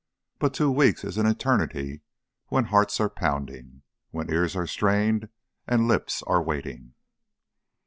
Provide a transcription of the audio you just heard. But two weeks is an eternity when hearts are pounding, when ears are strained and lips are waiting.